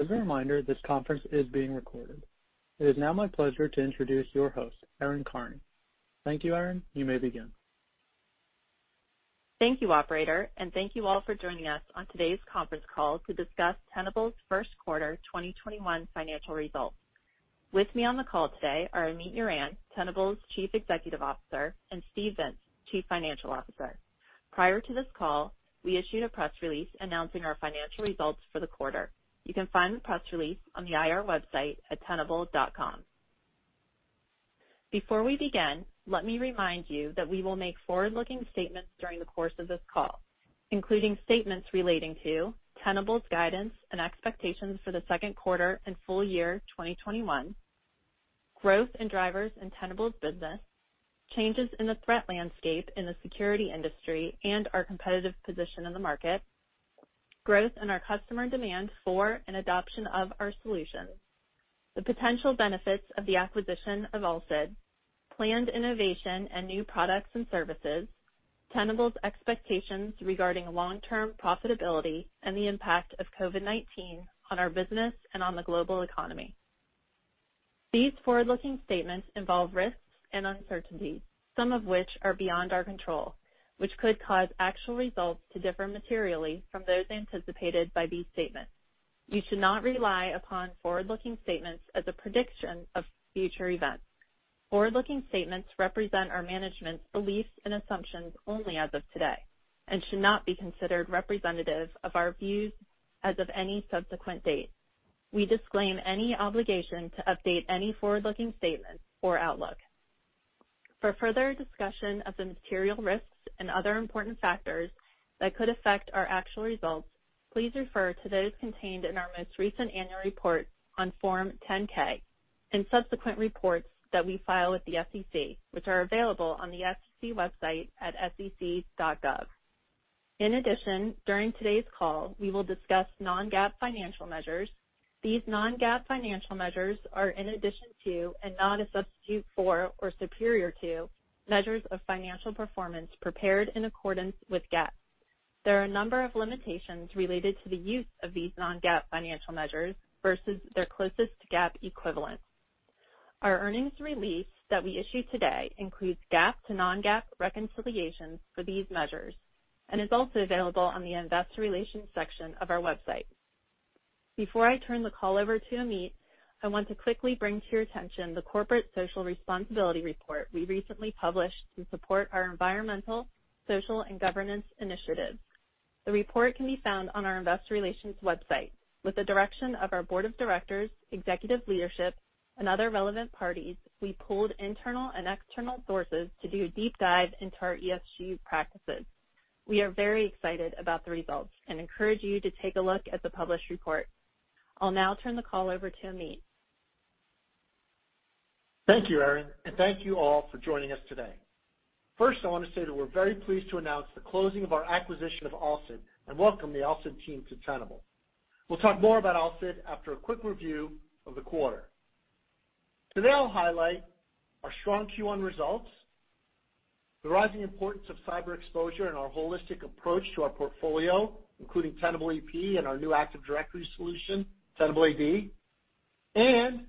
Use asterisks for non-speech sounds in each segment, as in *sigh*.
As a reminder, this conference is being recorded. It is now my pleasure to introduce your host, Erin Karney. Thank you, Erin. You may begin. Thank you, operator, and thank you all for joining us on today's conference call to discuss Tenable's first quarter 2021 financial results. With me on the call today are Amit Yoran, Tenable's Chief Executive Officer, and Steve Vintz, Chief Financial Officer. Prior to this call, we issued a press release announcing our financial results for the quarter. You can find the press release on the IR website at tenable.com. Before we begin, let me remind you that we will make forward-looking statements during the course of this call, including statements relating to Tenable's guidance and expectations for the second quarter and full year 2021, growth and drivers in Tenable's business, changes in the threat landscape in the security industry and our competitive position in the market, growth in our customer demand for and adoption of our solutions, the potential benefits of the acquisition of Alsid, planned innovation and new products and services, Tenable's expectations regarding long-term profitability, and the impact of COVID-19 on our business and on the global economy. These forward-looking statements involve risks and uncertainties, some of which are beyond our control, which could cause actual results to differ materially from those anticipated by these statements. You should not rely upon forward-looking statements as a prediction of future events. Forward-looking statements represent our management's beliefs and assumptions only as of today and should not be considered representative of our views as of any subsequent date. We disclaim any obligation to update any forward-looking statements or outlook. For further discussion of the material risks and other important factors that could affect our actual results, please refer to those contained in our most recent annual report on Form 10-K and subsequent reports that we file with the SEC, which are available on the SEC website at sec.gov. During today's call, we will discuss non-GAAP financial measures. These non-GAAP financial measures are in addition to, and not a substitute for or superior to, measures of financial performance prepared in accordance with GAAP. There are a number of limitations related to the use of these non-GAAP financial measures versus their closest GAAP equivalent. Our earnings release that we issued today includes GAAP to non-GAAP reconciliations for these measures and is also available on the investor relations section of our website. Before I turn the call over to Amit, I want to quickly bring to your attention the corporate social responsibility report we recently published to support our Environmental, Social, and Governance initiatives. The report can be found on our investor relations website. With the direction of our board of directors, executive leadership, and other relevant parties, we pooled internal and external sources to do a deep dive into our ESG practices. We are very excited about the results and encourage you to take a look at the published report. I'll now turn the call over to Amit Yoran. Thank you, Erin, and thank you all for joining us today. First, I want to say that we're very pleased to announce the closing of our acquisition of Alsid and welcome the Alsid team to Tenable. We'll talk more about Alsid after a quick review of the quarter. Today, I'll highlight our strong Q1 results, the rising importance of cyber exposure, and our holistic approach to our portfolio, including Tenable.ep and our new Active Directory solution, Tenable.ad, and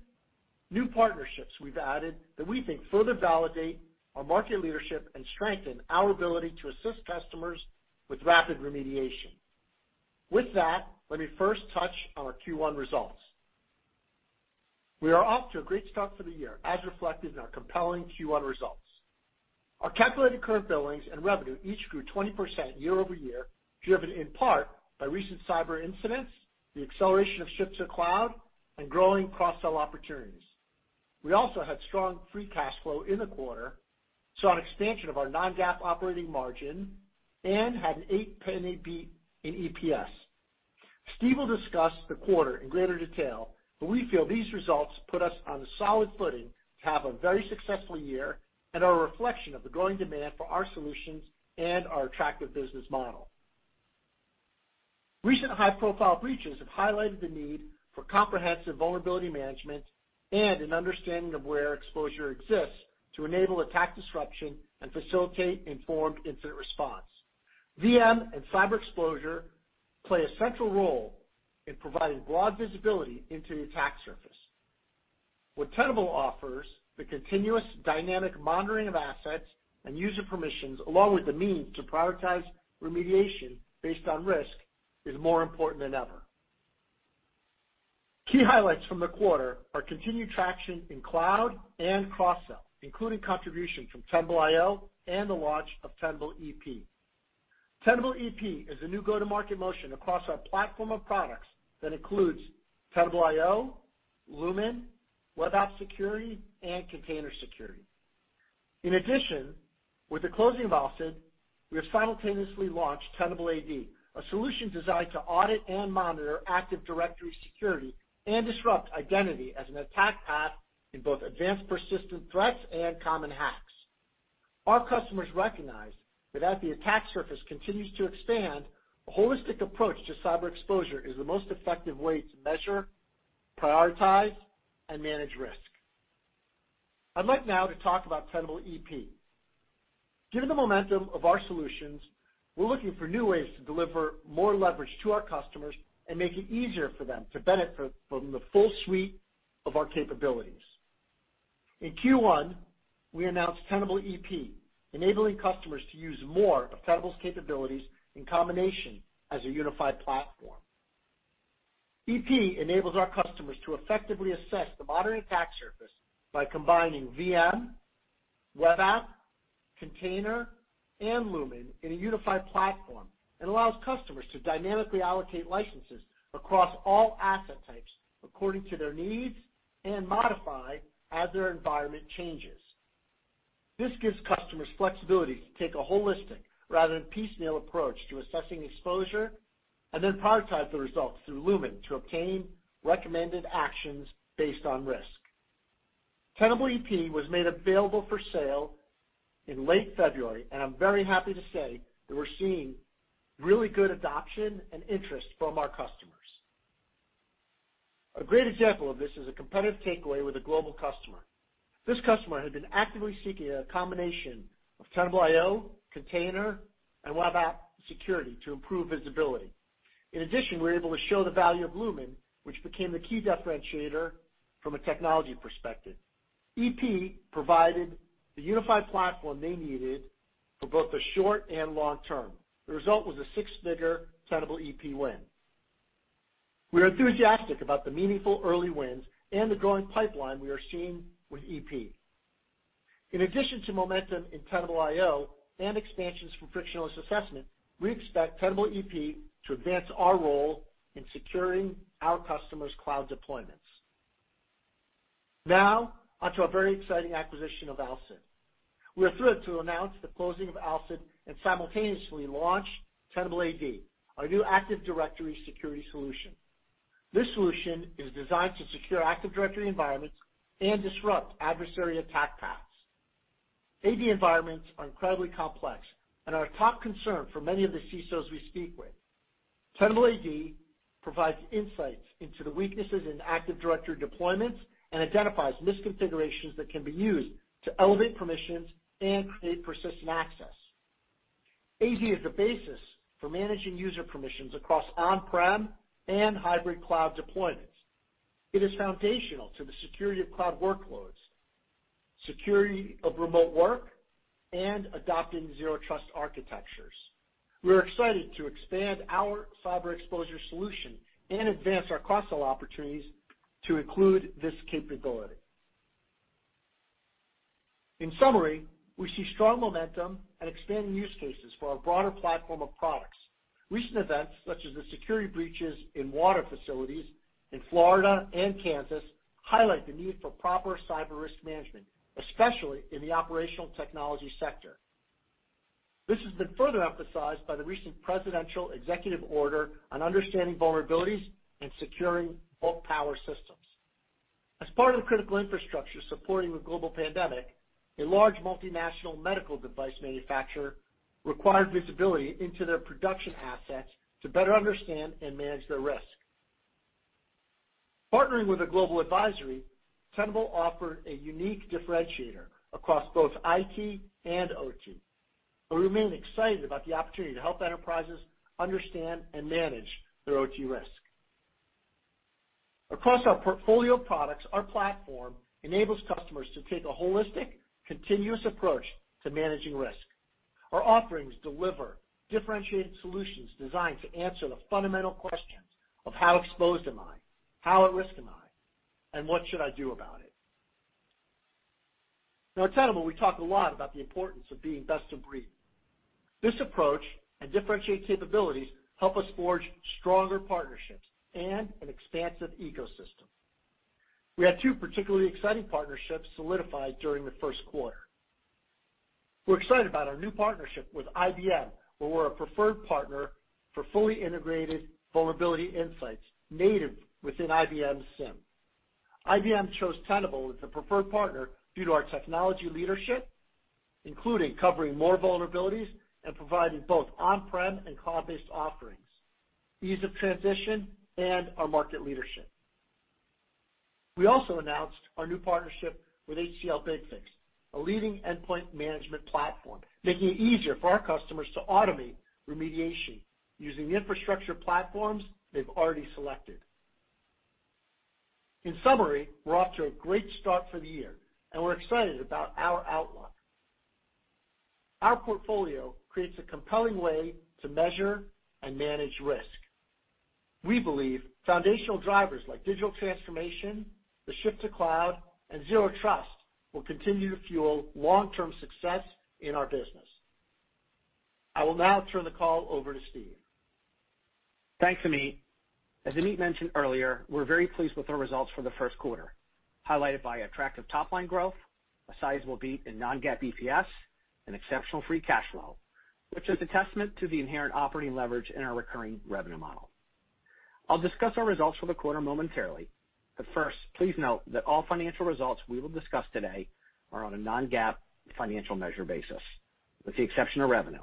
new partnerships we've added that we think further validate our market leadership and strengthen our ability to assist customers with rapid remediation. With that, let me first touch on our Q1 results. We are off to a great start for the year, as reflected in our compelling Q1 results. Our calculated current billings and revenue each grew 20% year-over-year, driven in part by recent cyber incidents, the acceleration of shift to cloud, and growing cross-sell opportunities. We also had strong free cash flow in the quarter, saw an expansion of our non-GAAP operating margin, and had an $0.08 beat in EPS. Steve will discuss the quarter in greater detail, but we feel these results put us on a solid footing to have a very successful year and are a reflection of the growing demand for our solutions and our attractive business model. Recent high-profile breaches have highlighted the need for comprehensive vulnerability management and an understanding of where exposure exists to enable attack disruption and facilitate informed incident response. Vulnerability management and cyber exposure play a central role in providing broad visibility into the attack surface. What Tenable offers, the continuous dynamic monitoring of assets and user permissions, along with the means to prioritize remediation based on risk, is more important than ever. Key highlights from the quarter are continued traction in cloud and cross-sell, including contribution from Tenable.io and the launch of Tenable.ep. Tenable.ep is a new go-to-market motion across our platform of products that includes Tenable.io, Lumin, Web Application Scanning, and Container Security. In addition, with the closing of Alsid, we have simultaneously launched Tenable.ad, a solution designed to audit and monitor Active Directory security and disrupt identity as an attack path in both advanced persistent threats and common hacks. Our customers recognize that as the attack surface continues to expand, a holistic approach to cyber exposure is the most effective way to measure, prioritize, and manage risk. I'd like now to talk about Tenable.ep. Given the momentum of our solutions, we're looking for new ways to deliver more leverage to our customers and make it easier for them to benefit from the full suite of our capabilities. In Q1, we announced Tenable.ep, enabling customers to use more of Tenable's capabilities in combination as a unified platform. Exposure Platform enables our customers to effectively assess the modern attack surface by combining VM, Web App, Container, and Lumin in a unified platform, and allows customers to dynamically allocate licenses across all asset types according to their needs and modify as their environment changes. This gives customers flexibility to take a holistic rather than piecemeal approach to assessing exposure, and then prioritize the results through Lumin to obtain recommended actions based on risk. Tenable.ep was made available for sale in late February, I'm very happy to say that we're seeing really good adoption and interest from our customers. A great example of this is a competitive takeaway with a global customer. This customer had been actively seeking a combination of Tenable.io, Container Security and Web Application Scanning to improve visibility. We were able to show the value of Lumin, which became the key differentiator from a technology perspective. EP provided the unified platform they needed for both the short and long term. The result was a six-figure Tenable.ep win. We are enthusiastic about the meaningful early wins and the growing pipeline we are seeing with EP. To momentum in Tenable.io and expansions from Frictionless Assessment, we expect Tenable.ep to advance our role in securing our customers' cloud deployments. Onto our very exciting acquisition of Alsid. We're thrilled to announce the closing of Alsid and simultaneously launch Tenable.ad, our new Active Directory security solution. This solution is designed to secure Active Directory environments and disrupt adversary attack paths. AD environments are incredibly complex and are a top concern for many of the Chief Information Security Officers we speak with. Tenable.ad provides insights into the weaknesses in Active Directory deployments and identifies misconfigurations that can be used to elevate permissions and create persistent access. AD is the basis for managing user permissions across on-premise and hybrid cloud deployments. It is foundational to the security of cloud workloads, security of remote work, and adopting zero trust architectures. We are excited to expand our cyber exposure solution and advance our cross-sell opportunities to include this capability. In summary, we see strong momentum and expanding use cases for our broader platform of products. Recent events, such as the security breaches in water facilities in Florida and Kansas, highlight the need for proper cyber risk management, especially in the operational technology sector. This has been further emphasized by the recent presidential executive order on understanding vulnerabilities and securing bulk power systems. As part of the critical infrastructure supporting the global pandemic, a large multinational medical device manufacturer required visibility into their production assets to better understand and manage their risk. Partnering with a global advisory, Tenable offered a unique differentiator across both Information Technology and Operational Technology. We remain excited about the opportunity to help enterprises understand and manage their OT risk. Across our portfolio of products, our platform enables customers to take a holistic, continuous approach to managing risk. Our offerings deliver differentiated solutions designed to answer the fundamental questions of: How exposed am I? How at risk am I? What should I do about it? Now, at Tenable, we talk a lot about the importance of being best of breed. This approach and differentiated capabilities help us forge stronger partnerships and an expansive ecosystem. We had two particularly exciting partnerships solidified during the first quarter. We're excited about our new partnership with International Business Machines, where we're a preferred partner for fully integrated vulnerability insights native within IBM security information and event management. IBM chose Tenable as the preferred partner due to our technology leadership, including covering more vulnerabilities and providing both on-premise and cloud-based offerings, ease of transition, and our market leadership. We also announced our new partnership with HCL BigFix, a leading endpoint management platform, making it easier for our customers to automate remediation using the infrastructure platforms they've already selected. In summary, we're off to a great start for the year, and we're excited about our outlook. Our portfolio creates a compelling way to measure and manage risk. We believe foundational drivers like digital transformation, the shift to cloud, and zero trust will continue to fuel long-term success in our business. I will now turn the call over to Steve Vintz. Thanks, Amit. As Amit mentioned earlier, we're very pleased with our results for the first quarter, highlighted by attractive top-line growth, a sizable beat in non-GAAP EPS, and exceptional free cash flow, which is a testament to the inherent operating leverage in our recurring revenue model. I'll discuss our results for the quarter momentarily, first, please note that all financial results we will discuss today are on a non-GAAP financial measure basis, with the exception of revenue.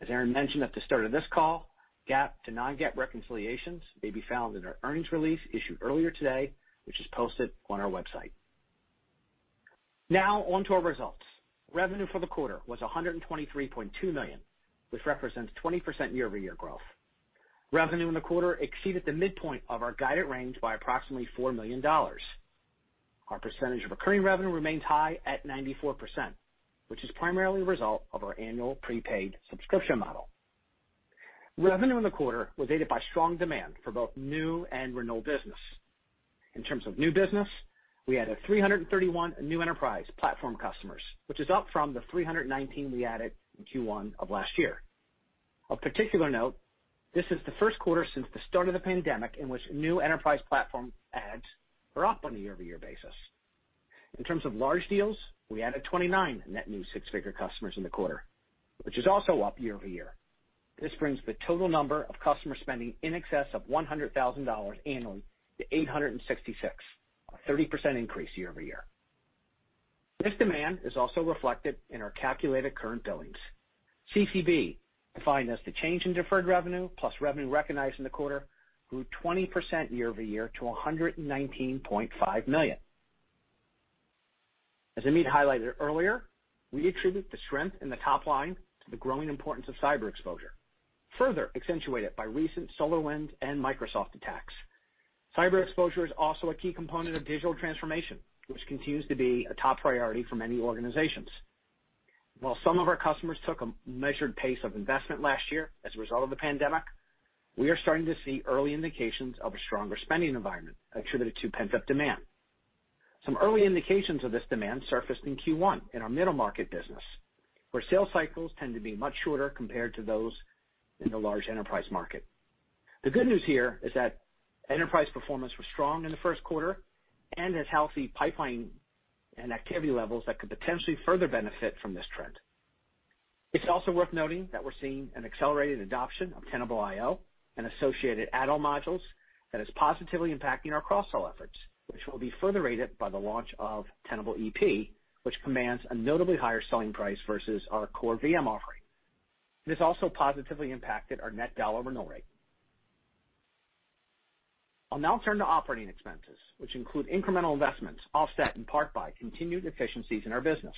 As Erin mentioned at the start of this call, GAAP to non-GAAP reconciliations may be found in our earnings release issued earlier today, which is posted on our website. Now on to our results. Revenue for the quarter was $123.2 million, which represents 20% year-over-year growth. Revenue in the quarter exceeded the midpoint of our guided range by approximately $4 million. Our percentage of recurring revenue remains high at 94%, which is primarily a result of our annual prepaid subscription model. Revenue in the quarter was aided by strong demand for both new and renewal business. In terms of new business, we added 331 new enterprise platform customers, which is up from the 319 we added in Q1 of last year. Of particular note, this is the first quarter since the start of the pandemic in which new enterprise platform adds are up on a year-over-year basis. In terms of large deals, we added 29 net new six-figure customers in the quarter, which is also up year-over-year. This brings the total number of customers spending in excess of $100,000 annually to 866, a 30% increase year-over-year. This demand is also reflected in our calculated current billings. CCB, defined as the change in deferred revenue plus revenue recognized in the quarter, grew 20% year-over-year to $119.5 million. As Amit highlighted earlier, we attribute the strength in the top line to the growing importance of cyber exposure, further accentuated by recent SolarWinds and Microsoft attacks. Cyber exposure is also a key component of digital transformation, which continues to be a top priority for many organizations. While some of our customers took a measured pace of investment last year as a result of the pandemic, we are starting to see early indications of a stronger spending environment attributed to pent-up demand. Some early indications of this demand surfaced in Q1 in our middle market business, where sales cycles tend to be much shorter compared to those in the large enterprise market. The good news here is that enterprise performance was strong in the first quarter and has healthy pipeline and activity levels that could potentially further benefit from this trend. It is also worth noting that we are seeing an accelerated adoption of Tenable.io and associated add-on modules that is positively impacting our cross-sell efforts, which will be further aided by the launch of Tenable.ep, which commands a notably higher selling price versus our core VM offering. This also positively impacted our net dollar renewal rate. I will now turn to operating expenses, which include incremental investments offset in part by continued efficiencies in our business.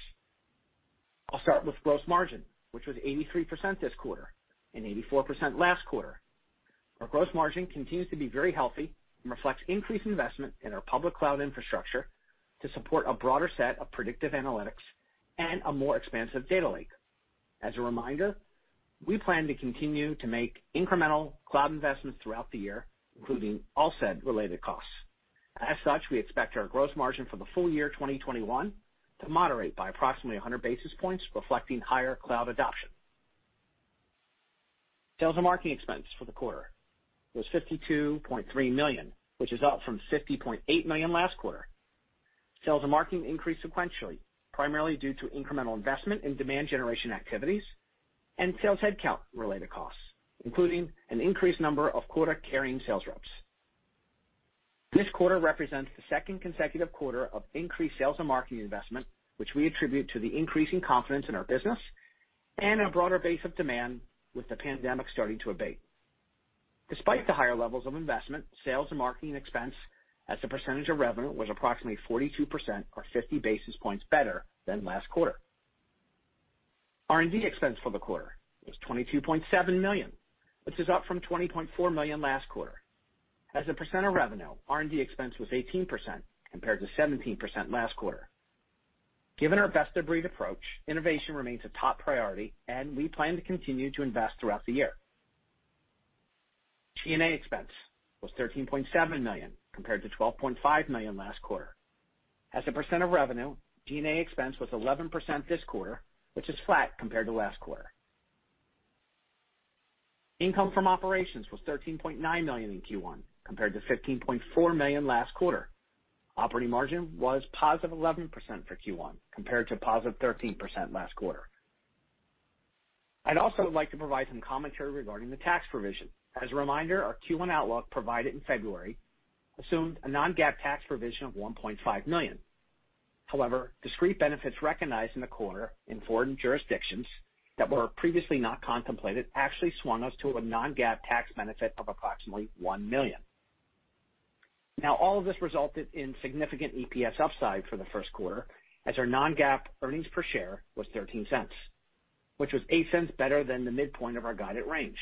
I will start with gross margin, which was 83% this quarter and 84% last quarter. Our gross margin continues to be very healthy and reflects increased investment in our public cloud infrastructure to support a broader set of predictive analytics and a more expansive data lake. As a reminder, we plan to continue to make incremental cloud investments throughout the year, including Alsid related costs. As such, we expect our gross margin for the full year 2021 to moderate by approximately 100 basis points, reflecting higher cloud adoption. Sales and marketing expense for the quarter was $52.3 million, which is up from $50.8 million last quarter. Sales and marketing increased sequentially, primarily due to incremental investment in demand generation activities and sales headcount-related costs, including an increased number of quota-carrying sales reps. This quarter represents the second consecutive quarter of increased sales and marketing investment, which we attribute to the increasing confidence in our business and a broader base of demand with the pandemic starting to abate. Despite the higher levels of investment, sales and marketing expense as a percentage of revenue was approximately 42%, or 50 basis points better than last quarter. R&D expense for the quarter was $22.7 million, which is up from $20.4 million last quarter. As a percent of revenue, R&D expense was 18%, compared to 17% last quarter. Given our best of breed approach, innovation remains a top priority and we plan to continue to invest throughout the year. G&A expense was $13.7 million, compared to $12.5 million last quarter. As a percent of revenue, G&A expense was 11% this quarter, which is flat compared to last quarter. Income from operations was $13.9 million in Q1, compared to $15.4 million last quarter. Operating margin was +11% for Q1, compared to +13% last quarter. I'd also like to provide some commentary regarding the tax provision. As a reminder, our Q1 outlook provided in February assumed a non-GAAP tax provision of $1.5 million. Discrete benefits recognized in the quarter in foreign jurisdictions that were previously not contemplated actually swung us to a non-GAAP tax benefit of approximately $1 million. All of this resulted in significant EPS upside for the first quarter, as our non-GAAP earnings per share was $0.13, which was $0.08 better than the midpoint of our guided range.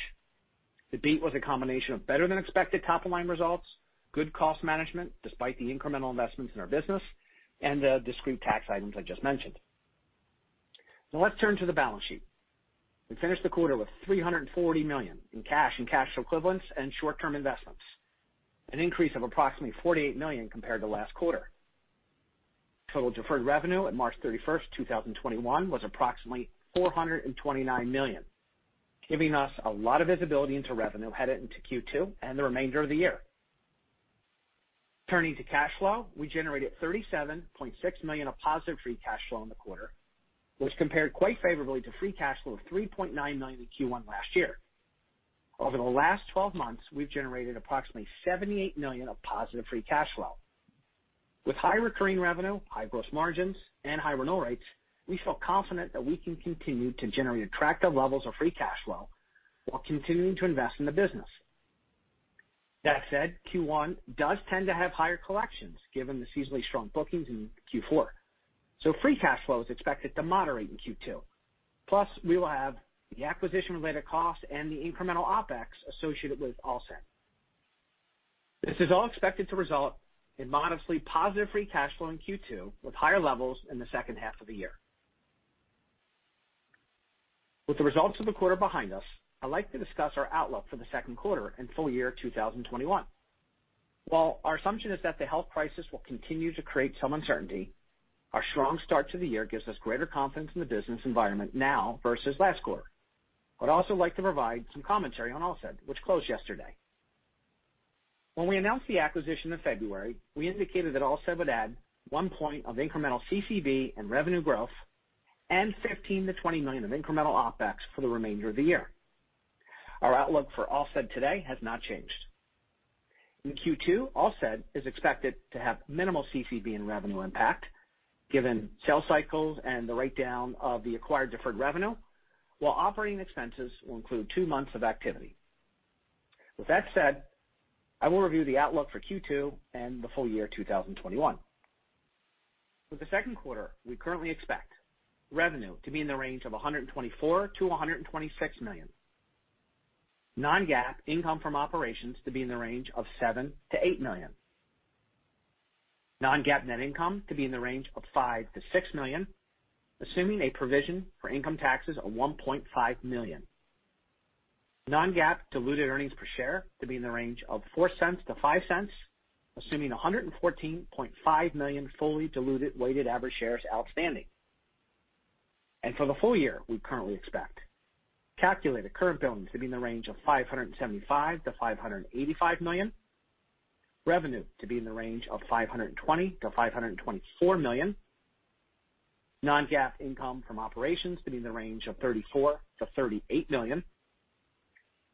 The beat was a combination of better than expected top-line results, good cost management, despite the incremental investments in our business, and the discrete tax items I just mentioned. Let's turn to the balance sheet. We finished the quarter with $340 million in cash and cash equivalents and short-term investments, an increase of approximately $48 million compared to last quarter. Total deferred revenue at March 31, 2021, was approximately $429 million, giving us a lot of visibility into revenue headed into Q2 and the remainder of the year. Turning to cash flow, we generated $37.6 million of positive free cash flow in the quarter, which compared quite favorably to free cash flow of $3.9 million in Q1 last year. Over the last 12 months, we've generated approximately $78 million of positive free cash flow. With high recurring revenue, high gross margins, and high renewal rates, we feel confident that we can continue to generate attractive levels of free cash flow while continuing to invest in the business. That said, Q1 does tend to have higher collections given the seasonally strong bookings in Q4. Free cash flow is expected to moderate in Q2. We will have the acquisition-related costs and the incremental OpEx associated with Alsid. This is all expected to result in modestly positive free cash flow in Q2 with higher levels in the second half of the year. With the results of the quarter behind us, I'd like to discuss our outlook for the second quarter and full year 2021. While our assumption is that the health crisis will continue to create some uncertainty, our strong start to the year gives us greater confidence in the business environment now versus last quarter. I'd also like to provide some commentary on Alsid, which closed yesterday. When we announced the acquisition in February, we indicated that Alsid would add one point of incremental CCB and revenue growth and $15 million-$20 million of incremental OpEx for the remainder of the year. Our outlook for Alsid today has not changed. In Q2, Alsid is expected to have minimal CCB and revenue impact given sales cycles and the write-down of the acquired deferred revenue, while operating expenses will include two months of activity. With that said, I will review the outlook for Q2 and the full year 2021. For the second quarter, we currently expect revenue to be in the range of $124 million-$126 million. non-GAAP income from operations to be in the range of $7 million-$8 million. non-GAAP net income to be in the range of $5 million-$6 million, assuming a provision for income taxes of $1.5 million. non-GAAP diluted earnings per share to be in the range of $0.04-$0.05, assuming 114.5 million fully diluted weighted average shares outstanding. For the full year, we currently expect calculated current billings to be in the range of $575 million-$585 million, revenue to be in the range of $520 million-$524 million, non-GAAP income from operations to be in the range of $34 million-$38 million,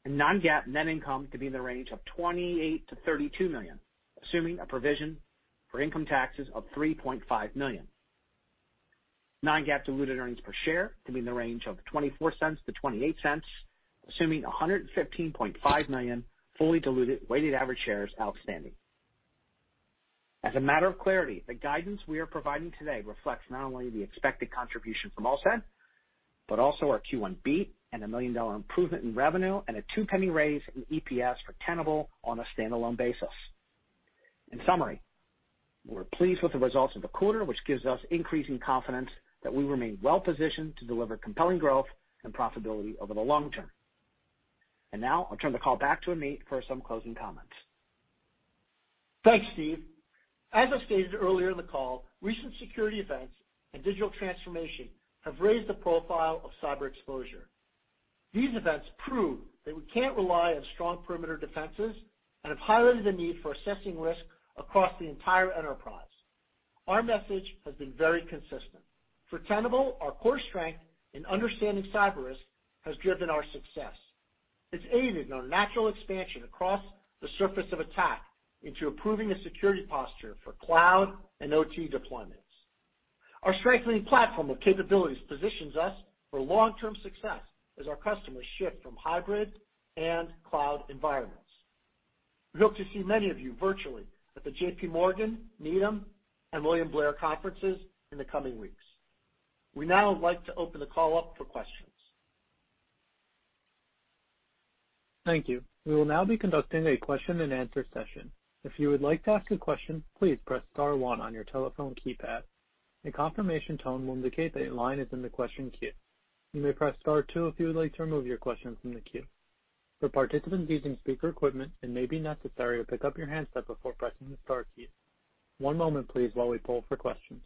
and non-GAAP net income to be in the range of $28 million-$32 million, assuming a provision for income taxes of $3.5 million. Non-GAAP diluted earnings per share to be in the range of $0.24-$0.28, assuming 115.5 million fully diluted weighted average shares outstanding. As a matter of clarity, the guidance we are providing today reflects not only the expected contribution from Alsid, but also our Q1 beat and a $1 million improvement in revenue and a $0.02 raise in EPS for Tenable on a standalone basis. In summary, we're pleased with the results of the quarter, which gives us increasing confidence that we remain well-positioned to deliver compelling growth and profitability over the long term. Now I'll turn the call back to Amit for some closing comments. Thanks, Steve. As I stated earlier in the call, recent security events and digital transformation have raised the profile of cyber exposure. These events prove that we can't rely on strong perimeter defenses and have highlighted the need for assessing risk across the entire enterprise. Our message has been very consistent. For Tenable, our core strength in understanding cyber risk has driven our success. It's aided in our natural expansion across the surface of attack into improving the security posture for cloud and OT deployments. Our strengthening platform of capabilities positions us for long-term success as our customers shift from hybrid and cloud environments. We hope to see many of you virtually at the JPMorgan, Needham, and William Blair conferences in the coming weeks. We'd now like to open the call up for questions. Thank you. We will now be conducting a question and answer session. If you would like to ask a question, please press star one on your telephone keypad. A confirmation tone will indicate that your line is in the question queue. You may press star two if you would like to remove your question from the queue. For participants using speaker equipment, it may be necessary to pick up your handset before pressing the star key. One moment, please, while we poll for questions.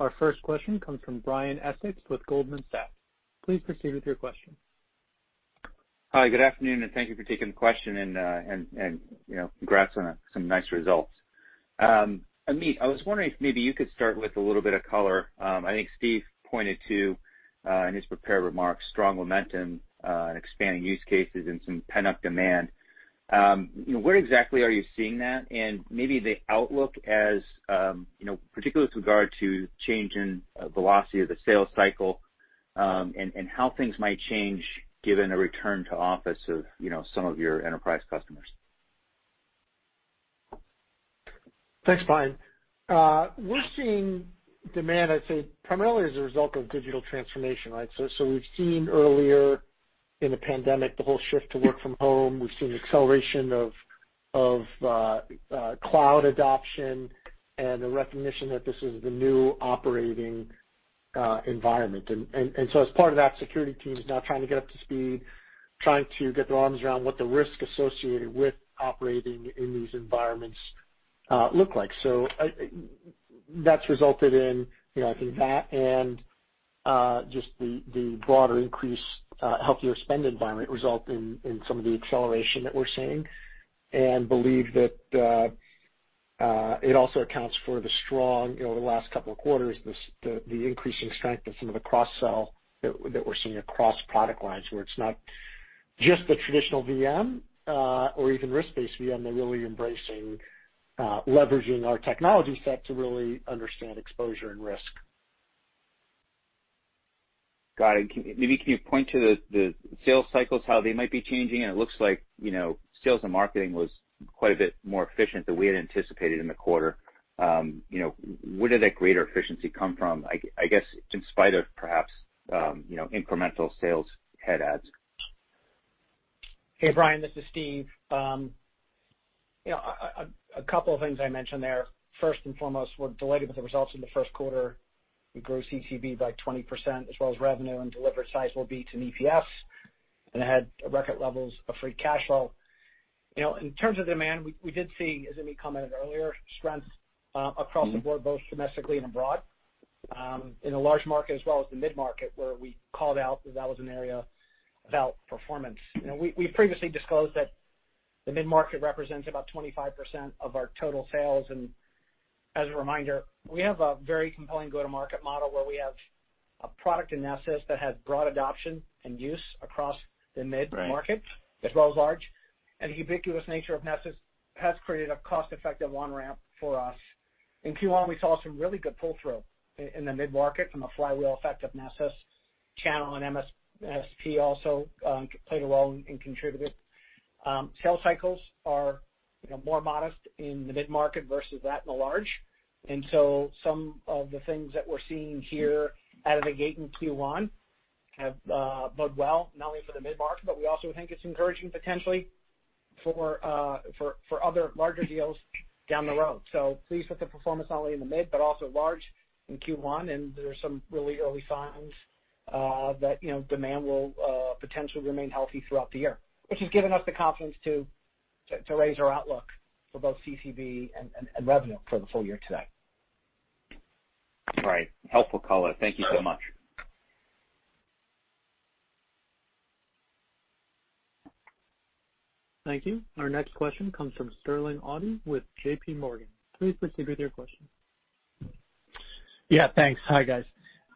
Our first question comes from Brian Essex with Goldman Sachs. Please proceed with your question. Hi, good afternoon, and thank you for taking the question, and congrats on some nice results. Amit, I was wondering if maybe you could start with a little bit of color. I think Steve pointed to, in his prepared remarks, strong momentum and expanding use cases and some pent-up demand. Where exactly are you seeing that? Maybe the outlook as, particularly with regard to change in velocity of the sales cycle, and how things might change given a return to office of some of your enterprise customers? Thanks, Brian. We're seeing demand, I'd say, primarily as a result of digital transformation, right? We've seen earlier in the pandemic the whole shift to work from home. We've seen acceleration of cloud adoption and the recognition that this is the new operating environment. As part of that, security teams now trying to get up to speed, trying to get their arms around what the risk associated with operating in these environments look like. That's resulted in, I think that and just the broader increase, healthier spend environment result in some of the acceleration that we're seeing and believe that it also accounts for the strong, over the last couple of quarters, the increasing strength of some of the cross-sell that we're seeing across product lines, where it's not just the traditional VM, or even risk-based VM. They're really embracing leveraging our technology set to really understand exposure and risk. Got it. Maybe can you point to the sales cycles, how they might be changing? It looks like sales and marketing was quite a bit more efficient than we had anticipated in the quarter. Where did that greater efficiency come from? I guess, in spite of perhaps incremental sales head adds. Hey, Brian, this is Steve. A couple of things I mentioned there. First and foremost, we're delighted with the results in the first quarter. We grew CCB by 20%, as well as revenue and delivered sizable beat in EPS, and had record levels of free cash flow. In terms of demand, we did see, as Amit commented earlier, strength across the board, both domestically and abroad, in the large market as well as the mid-market, where we called out that that was an area of outperformance. We previously disclosed that the mid-market represents about 25% of our total sales. As a reminder, we have a very compelling go-to-market model where we have a product in Nessus that has broad adoption and use across the mid-market *crosstalk* as well as large. The ubiquitous nature of Nessus has created a cost-effective on-ramp for us. In Q1, we saw some really good pull-through in the mid-market from the flywheel effect of Nessus. Channel and managed service provider also played a role in contributing. Sales cycles are more modest in the mid-market versus that in the large. Some of the things that we're seeing here out of the gate in Q1 bode well, not only for the mid-market, but we also think it's encouraging potentially for other larger deals down the road. Pleased with the performance not only in the mid but also large in Q1, and there's some really early signs that demand will potentially remain healthy throughout the year, which has given us the confidence to raise our outlook for both CCB and revenue for the full year today. All right. Helpful color. Thank you so much. Thank you. Our next question comes from Sterling Auty with JPMorgan. Please proceed with your question. Yeah, thanks. Hi, guys.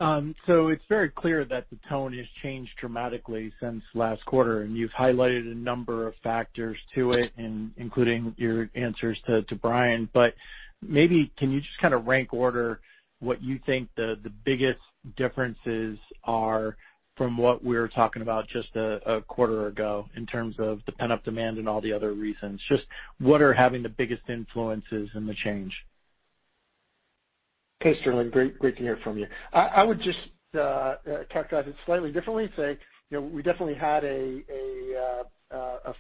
It's very clear that the tone has changed dramatically since last quarter, and you've highlighted a number of factors to it, including your answers to Brian. Maybe can you just rank order what you think the biggest differences are from what we were talking about just a quarter ago in terms of the pent-up demand and all the other reasons? Just what are having the biggest influences in the change? Okay, Sterling, great to hear from you. I would just characterize it slightly differently and say, we definitely had a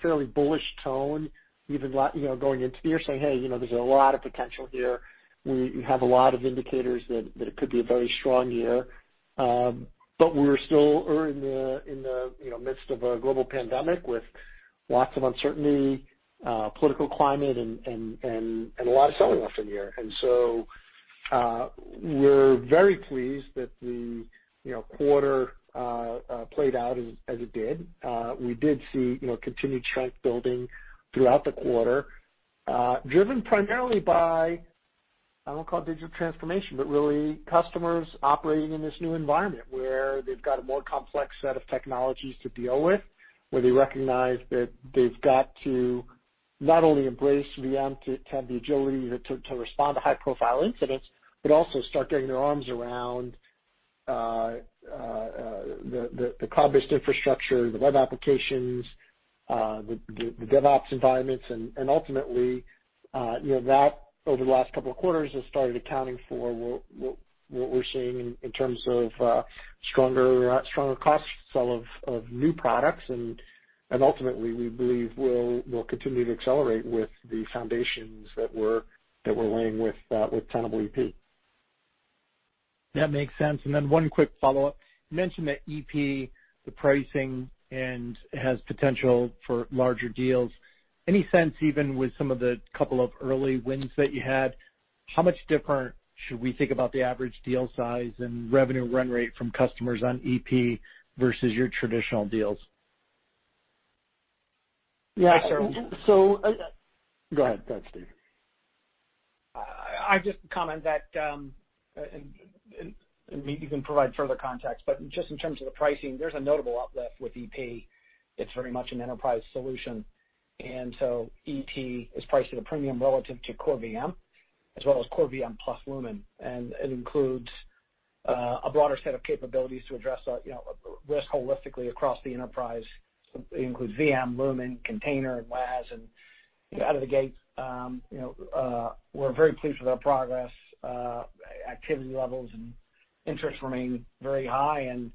fairly bullish tone, even going into the year saying, "Hey, there's a lot of potential here. We have a lot of indicators that it could be a very strong year." We were still in the midst of a global pandemic with lots of uncertainty, political climate, and a lot of selling off in the year. We're very pleased that the quarter played out as it did. We did see continued strength building throughout the quarter, driven primarily by, I don't call it digital transformation, but really customers operating in this new environment where they've got a more complex set of technologies to deal with, where they recognize that they've got to not only embrace VM to have the agility to respond to high-profile incidents, but also start getting their arms around the cloud-based infrastructure, the web applications, the development and operations environments. Ultimately, that, over the last couple of quarters, has started accounting for what we're seeing in terms of stronger cross-sell of new products. Ultimately, we believe will continue to accelerate with the foundations that we're laying with Tenable.ep. That makes sense. Then one quick follow-up. You mentioned that EP, the pricing, and has potential for larger deals. Any sense, even with some of the couple of early wins that you had, how much different should we think about the average deal size and revenue run rate from customers on EP versus your traditional deals? Yeah. Go ahead. Go ahead, Steve. I'd just comment that, and maybe you can provide further context, but just in terms of the pricing, there's a notable uplift with EP. It's very much an enterprise solution. EP is priced at a premium relative to Core VM, as well as Core VM plus Lumin. It includes a broader set of capabilities to address risk holistically across the enterprise. It includes VM, Lumin, Container, and Web Application Scanning. Out of the gate, we're very pleased with our progress. Activity levels and interest remain very high, and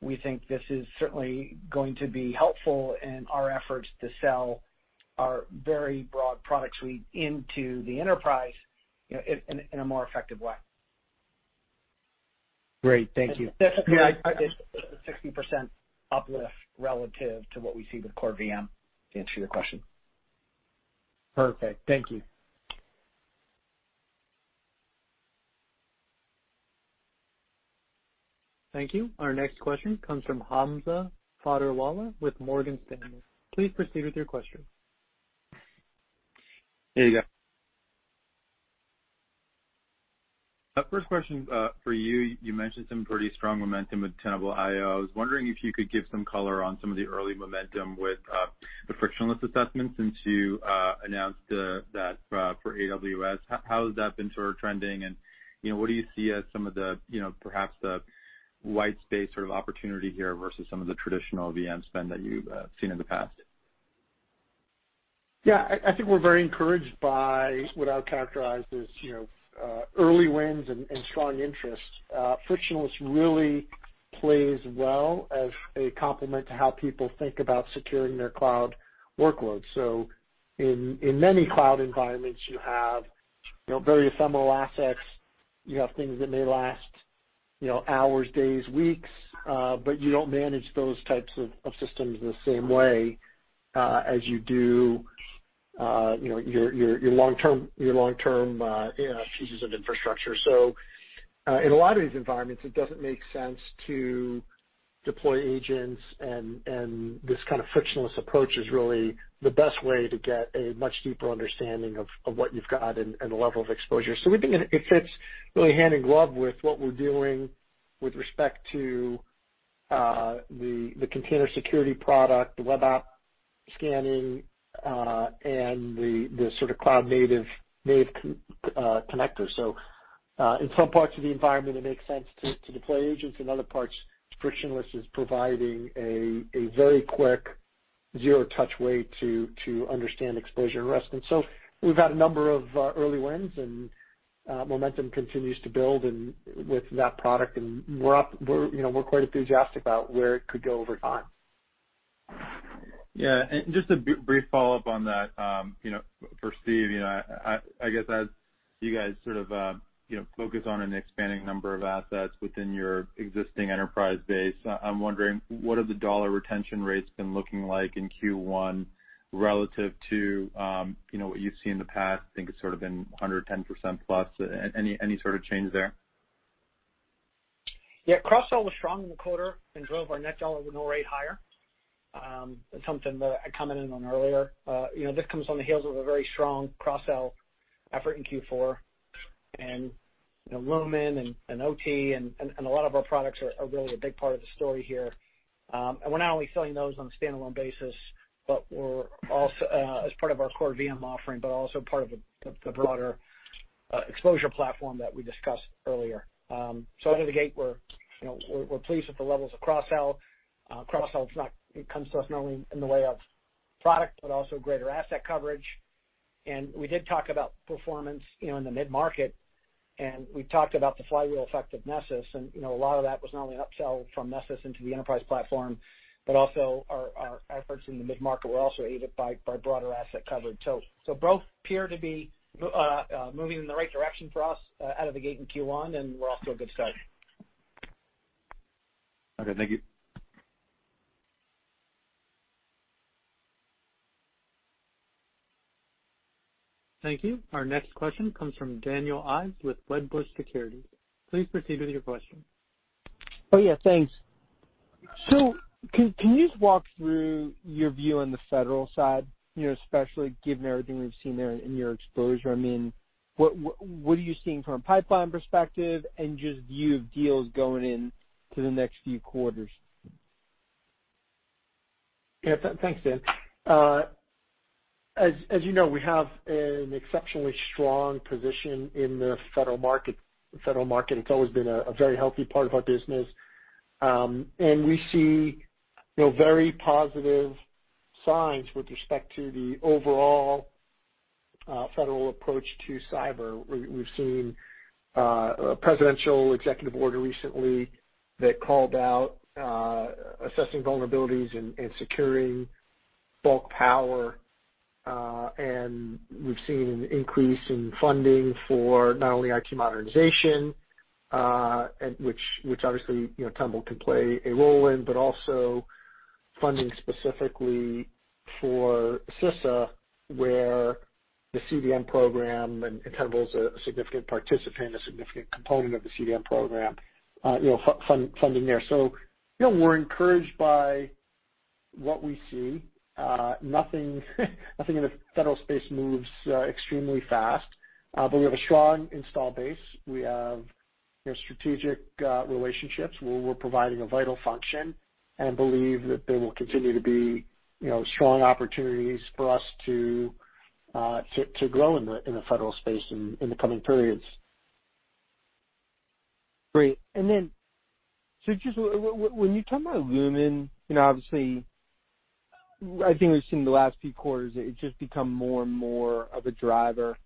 we think this is certainly going to be helpful in our efforts to sell our very broad product suite into the enterprise in a more effective way. Great. Thank you. Specifically, I think it's a 60% uplift relative to what we see with Core VM, to answer your question. Perfect. Thank you. Thank you. Our next question comes from Hamza Fodderwala with Morgan Stanley. Please proceed with your question. There you go. First question for you. You mentioned some pretty strong momentum with Tenable.io. I was wondering if you could give some color on some of the early momentum with the Frictionless Assessments since you announced that for AWS. How has that been trending, and what do you see as some of perhaps the white space or opportunity here versus some of the traditional VM spend that you've seen in the past? I think we're very encouraged by what I would characterize as early wins and strong interest. Frictionless really plays well as a complement to how people think about securing their cloud workloads. In many cloud environments, you have very ephemeral assets. You have things that may last hours, days, weeks, but you don't manage those types of systems the same way as you do your long-term pieces of infrastructure. In a lot of these environments, it doesn't make sense to deploy agents, and this kind of frictionless approach is really the best way to get a much deeper understanding of what you've got and the level of exposure. We think it fits really hand in glove with what we're doing with respect to the Container Security product, the Web Application Scanning, and the cloud-native connectors. In some parts of the environment, it makes sense to deploy agents. In other parts, Frictionless is providing a very quick zero-touch way to understand exposure and risk. We've had a number of early wins, and momentum continues to build with that product, and we're quite enthusiastic about where it could go over time. Yeah. Just a brief follow-up on that for Steve. I guess as you guys focus on an expanding number of assets within your existing enterprise base, I'm wondering, what have the dollar retention rates been looking like in Q1 relative to what you've seen in the past? I think it's sort of been 110%+. Any sort of change there? Yeah. Cross-sell was strong in the quarter and drove our net dollar renewal rate higher. It's something that I commented on earlier. This comes on the heels of a very strong cross-sell effort in Q4. Lumin and OT and a lot of our products are really a big part of the story here. We're not only selling those on a standalone basis as part of our core VM offering, but also part of the broader Exposure platform that we discussed earlier. Out of the gate, we're pleased with the levels of cross-sell. Cross-sell comes to us not only in the way of product but also greater asset coverage. We did talk about performance in the mid-market, and we talked about the flywheel effect of Nessus, and a lot of that was not only an upsell from Nessus into the enterprise platform, but also our efforts in the mid-market were also aided by broader asset coverage. Both appear to be moving in the right direction for us out of the gate in Q1, and we're off to a good start. Okay. Thank you. Thank you. Our next question comes from Daniel Ives with Wedbush Securities. Please proceed with your question. Oh, yeah. Thanks. Can you just walk through your view on the federal side, especially given everything we've seen there in your exposure? I mean, what are you seeing from a pipeline perspective and just view of deals going into the next few quarters? Yeah. Thanks, Daniel. As you know, we have an exceptionally strong position in the federal market. It's always been a very healthy part of our business. We see very positive signs with respect to the overall federal approach to cyber. We've seen a presidential executive order recently that called out assessing vulnerabilities and securing bulk power. We've seen an increase in funding for not only IT modernization, which obviously Tenable can play a role in, but also funding specifically for Cybersecurity and Infrastructure Security Agency, where the Continuous Diagnostics and Mitigation program and Tenable is a significant participant, a significant component of the CDM program funding there. We're encouraged by what we see. Nothing in the federal space moves extremely fast, but we have a strong install base. We have strategic relationships where we're providing a vital function and believe that there will continue to be strong opportunities for us to grow in the federal space in the coming periods. Great. Just when you talk about Lumin, obviously I think we've seen the last few quarters, it's just become more and more of a driver.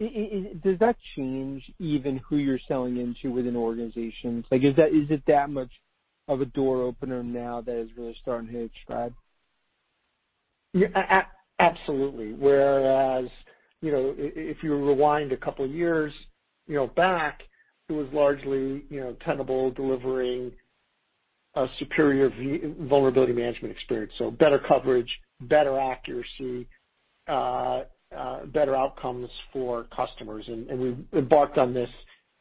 Does that change even who you're selling into within organizations? Is it that much of a door opener now that is really starting to hit its stride? Yeah. Absolutely. Whereas, if you rewind a couple of years back, it was largely Tenable delivering a superior vulnerability management experience. Better coverage, better accuracy, better outcomes for customers. We've embarked on this,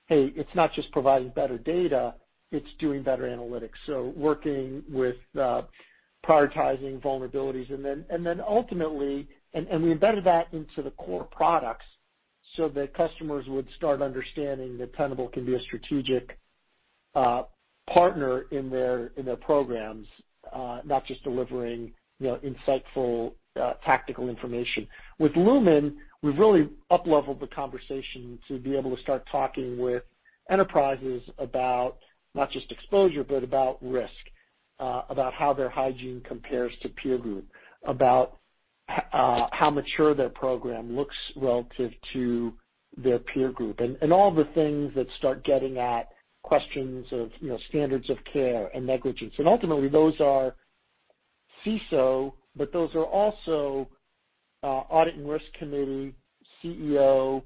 hey, it's not just providing better data, it's doing better analytics. Working with prioritizing vulnerabilities and then ultimately, we embedded that into the core products so that customers would start understanding that Tenable can be a strategic partner in their programs, not just delivering insightful tactical information. With Lumin, we've really upleveled the conversation to be able to start talking with enterprises about not just exposure, but about risk, about how their hygiene compares to peer group, about how mature their program looks relative to their peer group, and all the things that start getting at questions of standards of care and negligence. Ultimately, those are CISO, but those are also audit and risk committee, CEO,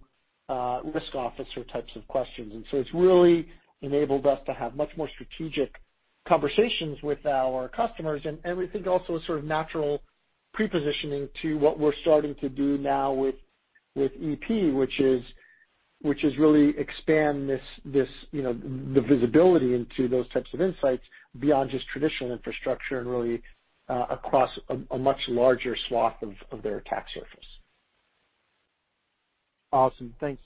risk officer types of questions. It's really enabled us to have much more strategic conversations with our customers. We think also a sort of natural pre-positioning to what we're starting to do now with EP, which is really expand the visibility into those types of insights beyond just traditional infrastructure and really across a much larger swath of their attack surface. Awesome. Thanks.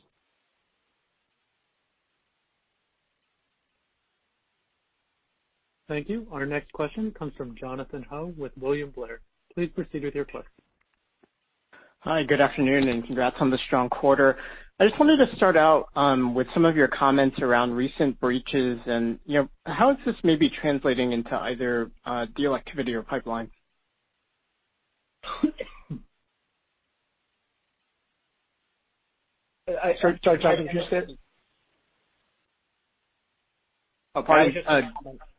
Thank you. Our next question comes from Jonathan Ho with William Blair. Please proceed with your question. Hi, good afternoon, and congrats on the strong quarter. I just wanted to start out with some of your comments around recent breaches and how is this maybe translating into either deal activity or pipeline? Start talking, Steve. *crosstalk*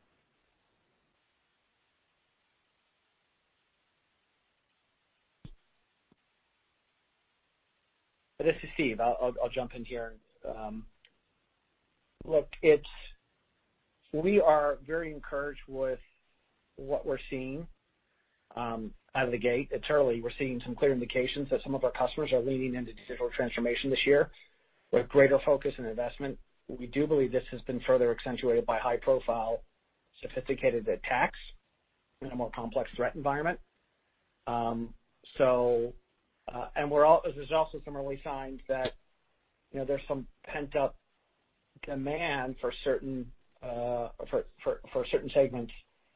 This is Steve. I'll jump in here. Look, we are very encouraged with what we're seeing out of the gate. It's early. We're seeing some clear indications that some of our customers are leaning into digital transformation this year with greater focus and investment. We do believe this has been further accentuated by high-profile sophisticated attacks in a more complex threat environment. There's also some early signs that there's some pent-up demand for certain segments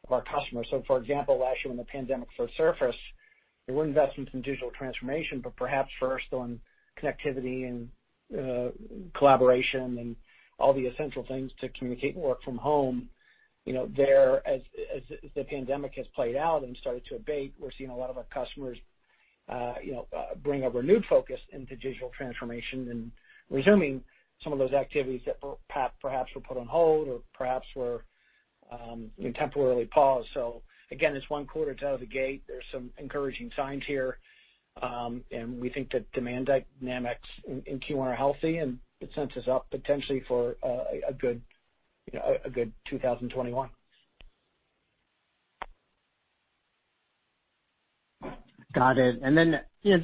of our customers. For example, last year when the pandemic first surfaced, there were investments in digital transformation, but perhaps first on connectivity and collaboration and all the essential things to communicate and work from home. As the pandemic has played out and started to abate, we're seeing a lot of our customers bring a renewed focus into digital transformation and resuming some of those activities that perhaps were put on hold or perhaps were temporarily paused. Again, it's one quarter. It's out of the gate. There's some encouraging signs here. We think that demand dynamics in Q1 are healthy and it sets us up potentially for a good 2021. Got it.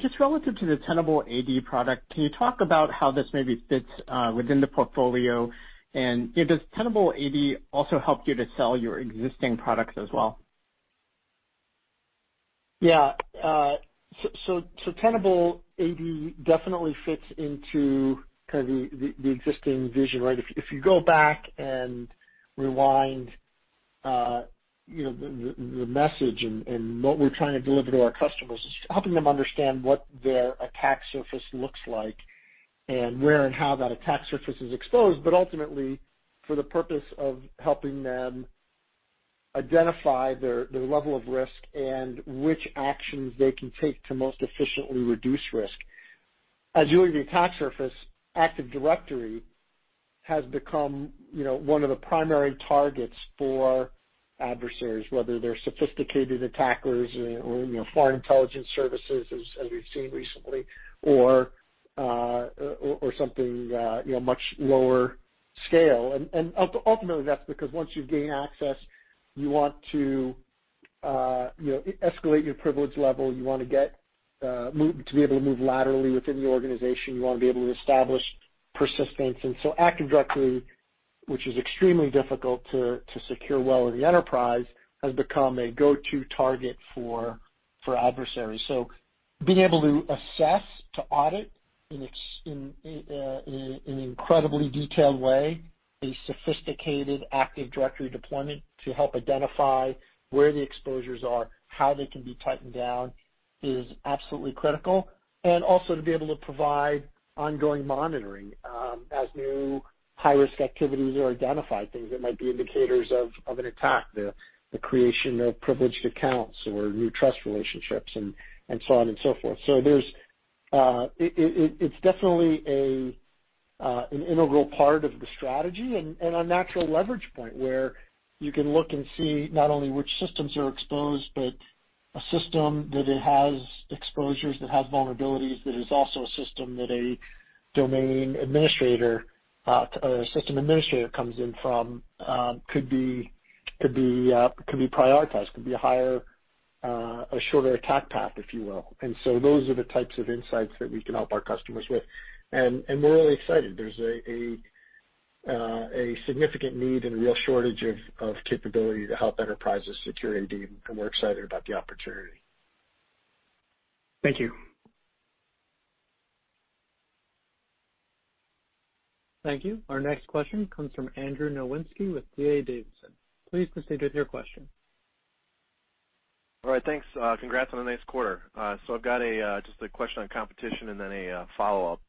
Just relative to the Tenable.ad product, can you talk about how this maybe fits within the portfolio, and does Tenable.ad also help you to sell your existing products as well? Yeah. Tenable.ad definitely fits into the existing vision. If you go back and rewind the message and what we're trying to deliver to our customers is helping them understand what their attack surface looks like and where and how that attack surface is exposed, but ultimately for the purpose of helping them identify their level of risk and which actions they can take to most efficiently reduce risk. As you look at attack surface, Active Directory has become one of the primary targets for adversaries, whether they're sophisticated attackers or foreign intelligence services, as we've seen recently, or something much lower scale. Ultimately that's because once you gain access, you want to escalate your privilege level. You want to be able to move laterally within the organization. You want to be able to establish persistence. Active Directory, which is extremely difficult to secure well in the enterprise, has become a go-to target for adversaries. Being able to assess, to audit in an incredibly detailed way, a sophisticated Active Directory deployment to help identify where the exposures are, how they can be tightened down is absolutely critical. Also to be able to provide ongoing monitoring as new high-risk activities are identified, things that might be indicators of an attack, the creation of privileged accounts or new trust relationships and so on and so forth. It's definitely an integral part of the strategy and a natural leverage point where you can look and see not only which systems are exposed. A system that has exposures, that has vulnerabilities, that is also a system that a domain administrator or a system administrator comes in from, could be prioritized, could be a shorter attack path, if you will. Those are the types of insights that we can help our customers with. We're really excited. There's a significant need and a real shortage of capability to help enterprises secure AD, and we're excited about the opportunity. Thank you. Thank you. Our next question comes from Andrew Nowinski with D.A. Davidson. Please proceed with your question. All right. Thanks. Congrats on a nice quarter. I've got just a question on competition and then a follow-up.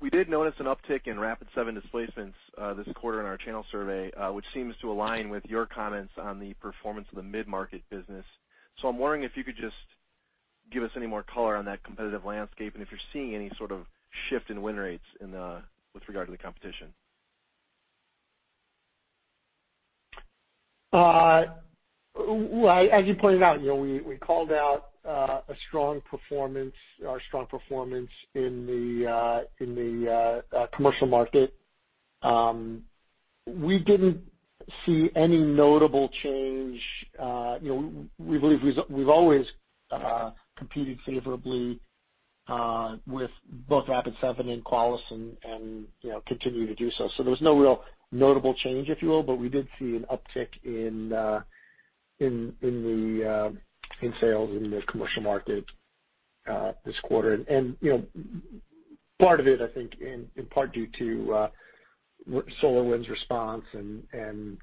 We did notice an uptick in Rapid7 displacements this quarter in our channel survey, which seems to align with your comments on the performance of the mid-market business. I'm wondering if you could just give us any more color on that competitive landscape, and if you're seeing any sort of shift in win rates with regard to the competition. As you pointed out, we called out our strong performance in the commercial market. We didn't see any notable change. We believe we've always competed favorably with both Rapid7 and Qualys, and continue to do so. There was no real notable change, if you will, but we did see an uptick in sales in the commercial market this quarter. Part of it, I think, in part due to SolarWinds' response and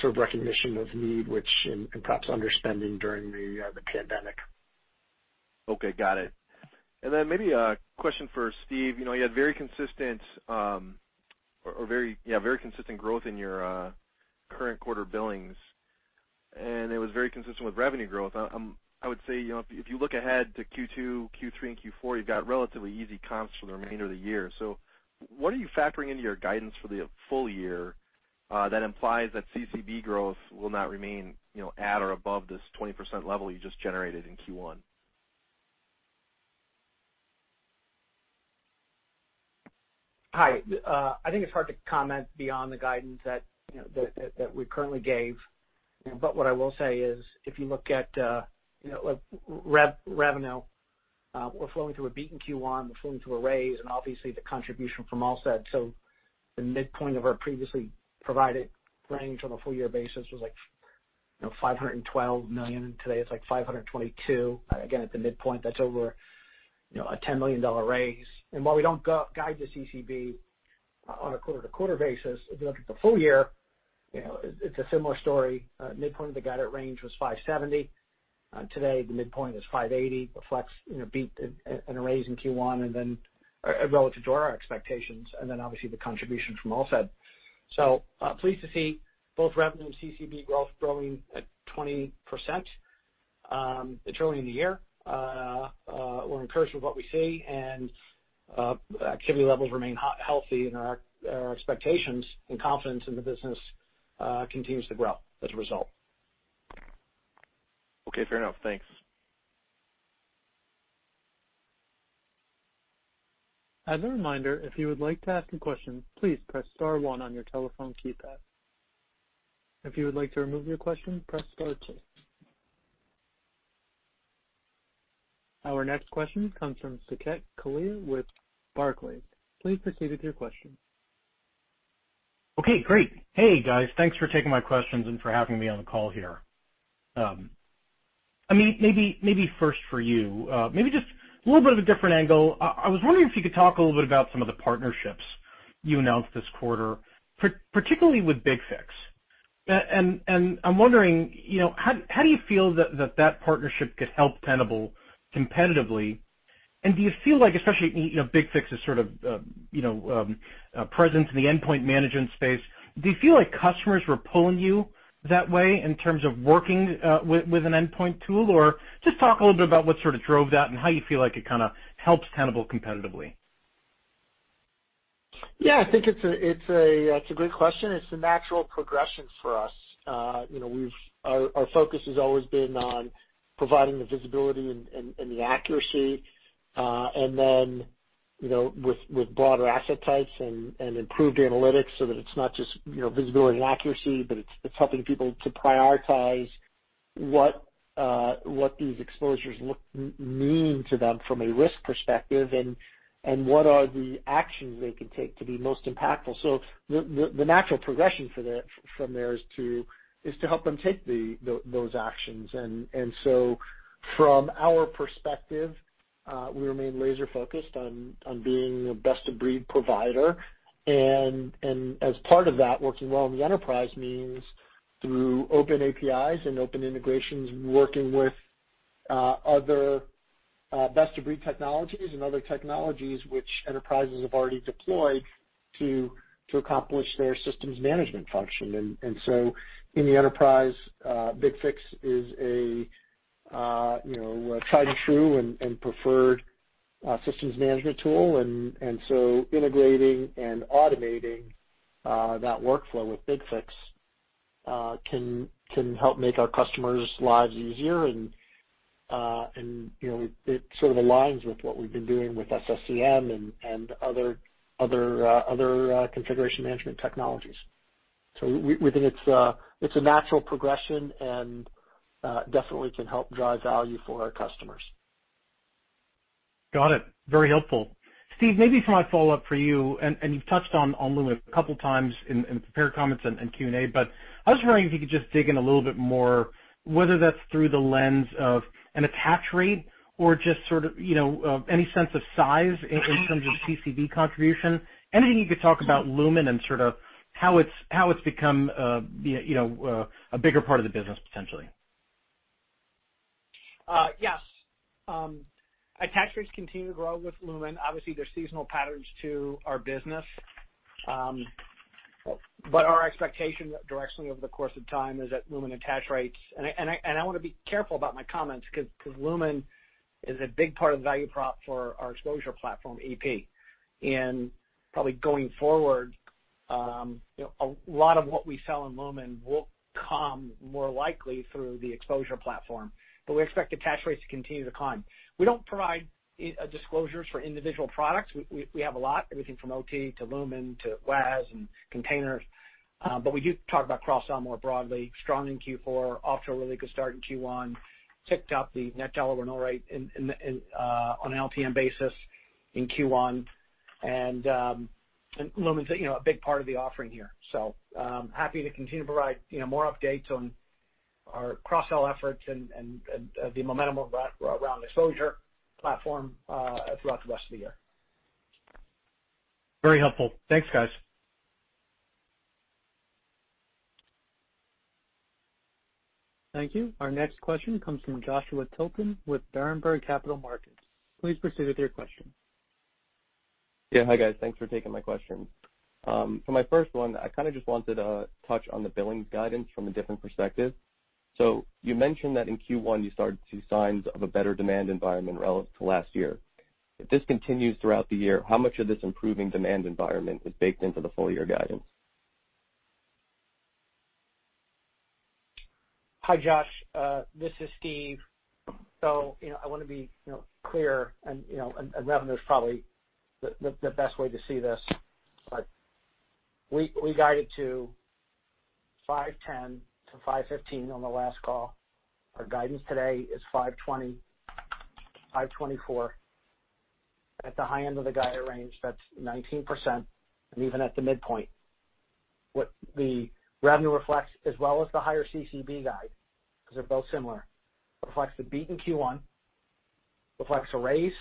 sort of recognition of need, and perhaps underspending during the pandemic. Okay. Got it. Maybe a question for Steve. You had very consistent growth in your current quarter billings, and it was very consistent with revenue growth. I would say, if you look ahead to Q2, Q3, and Q4, you've got relatively easy comps for the remainder of the year. What are you factoring into your guidance for the full year that implies that CCB growth will not remain at or above this 20% level you just generated in Q1? Hi. I think it's hard to comment beyond the guidance that we currently gave. What I will say is, if you look at revenue, we're flowing through a beat in Q1, we're flowing through a raise, and obviously the contribution from Alsid. The midpoint of our previously provided range on a full-year basis was like $512 million. Today, it's like $522 million. Again, at the midpoint, that's over a $10 million raise. While we don't guide to CCB on a quarter-to-quarter basis, if you look at the full year, it's a similar story. Midpoint of the guided range was $570. Today, the midpoint is $580, reflects a beat and a raise in Q1, then relative to our expectations, and then obviously the contribution from Alsid. Pleased to see both revenue and CCB growth growing at 20% early in the year. We're encouraged with what we see, and activity levels remain healthy, and our expectations and confidence in the business continues to grow as a result. Okay. Fair enough. Thanks. Our next question comes from Saket Kalia with Barclays. Please proceed with your question. Okay, great. Hey, guys. Thanks for taking my questions and for having me on the call here. Amit, maybe first for you. Maybe just a little bit of a different angle. I was wondering if you could talk a little bit about some of the partnerships you announced this quarter, particularly with BigFix. I'm wondering, how do you feel that that partnership could help Tenable competitively? Do you feel like, especially, BigFix is sort of present in the endpoint management space? Do you feel like customers were pulling you that way in terms of working with an endpoint tool, or just talk a little bit about what sort of drove that and how you feel like it kind of helps Tenable competitively? Yeah, I think it's a great question. It's a natural progression for us. Our focus has always been on providing the visibility and the accuracy, and then, with broader asset types and improved analytics, so that it's not just visibility and accuracy, but it's helping people to prioritize what these exposures mean to them from a risk perspective, and what are the actions they can take to be most impactful. The natural progression from there is to help them take those actions. From our perspective, we remain laser-focused on being a best-of-breed provider. As part of that, working well in the enterprise means through open application programming interfaces and open integrations, working with other best-of-breed technologies and other technologies which enterprises have already deployed to accomplish their systems management function. In the enterprise, BigFix is a tried and true and preferred systems management tool, integrating and automating that workflow with BigFix can help make our customers' lives easier and it sort of aligns with what we've been doing with System Center Configuration Manager and other configuration management technologies. We think it's a natural progression and definitely can help drive value for our customers. Got it. Very helpful. Steve, maybe for my follow-up for you've touched on Lumin a couple of times in prepared comments and Q&A, but I was wondering if you could just dig in a little bit more, whether that's through the lens of an attach rate or just sort of any sense of size in terms of CCB contribution. Anything you could talk about Lumin and sort of how it's become a bigger part of the business potentially. Attach rates continue to grow with Lumin. There's seasonal patterns to our business. Our expectation directionally over the course of time is that Lumin attach rates and I want to be careful about my comments because Lumin is a big part of the value prop for our Exposure platform, Tenable.ep. Probably going forward, a lot of what we sell in Lumin will come more likely through the Exposure platform. We expect attach rates to continue to climb. We don't provide disclosures for individual products. We have a lot, everything from OT to Lumin to WAS and Container Security. We do talk about cross-sell more broadly. Strong in Q4. Off to a really good start in Q1. Ticked up the net dollar renewal rate on an LTM basis in Q1. Lumin's a big part of the offering here. Happy to continue to provide more updates on our cross-sell efforts and the momentum around Exposure platform throughout the rest of the year. Very helpful. Thanks, guys. Thank you. Our next question comes from Joshua Tilton with Berenberg Capital Markets. Please proceed with your question. Yeah. Hi guys, thanks for taking my question. For my first one, I kind of just wanted to touch on the billings guidance from a different perspective. You mentioned that in Q1 you started to see signs of a better demand environment relative to last year. If this continues throughout the year, how much of this improving demand environment is baked into the full-year guidance? Hi, Joshua. This is Steve. I want to be clear, and revenue is probably the best way to see this, but we guided to $510 million-$515 million on the last call. Our guidance today is $520 million-$524 million. At the high end of the guided range, that's 19%, and even at the midpoint. What the revenue reflects, as well as the higher CCB guide, because they're both similar, reflects the beat in Q1, reflects a raise,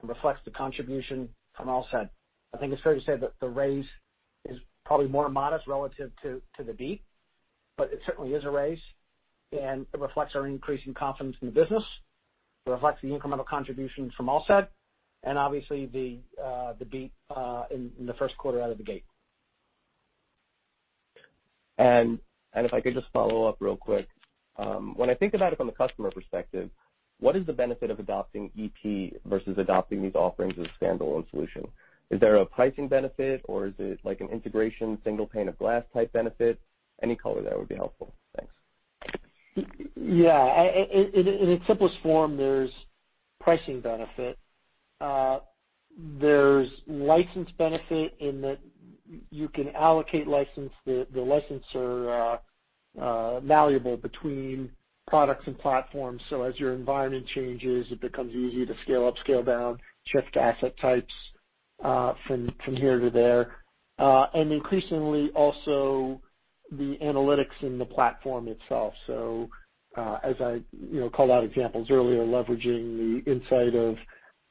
and reflects the contribution from Alsid. I think it's fair to say that the raise is probably more modest relative to the beat, but it certainly is a raise, and it reflects our increasing confidence in the business. It reflects the incremental contributions from Alsid, and obviously the beat in the first quarter out of the gate. If I could just follow up real quick. When I think about it from the customer perspective, what is the benefit of adopting EP versus adopting these offerings as a standalone solution? Is there a pricing benefit or is it like an integration single pane of glass type benefit? Any color there would be helpful. Thanks. Yeah. In its simplest form, there's pricing benefit. There's license benefit in that you can allocate license. The license are malleable between products and platforms, as your environment changes, it becomes easy to scale up, scale down, shift asset types from here to there. Increasingly also the analytics in the platform itself. As I called out examples earlier, leveraging the insight of